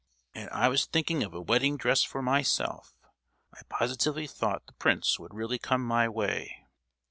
"And I was thinking of a wedding dress for myself; I positively thought the prince would really come my way!